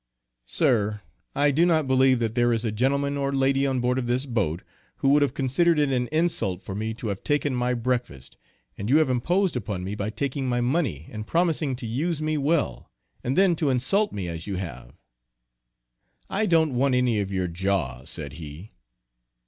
"Sir, I do not believe that there is a gentleman or lady on board of this boat who would have considered it an insult for me to have taken my breakfast, and you have imposed upon me by taking my money and promising to use me well, and then to insult me as you have." "I don't want any of your jaw," said he.